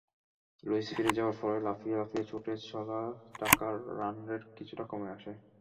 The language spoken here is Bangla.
লুইস ফিরে যাওয়ার পরই লাফিয়ে লাফিয়ে ছুটে চলা ঢাকার রানরেট কিছুটা কমে আসে।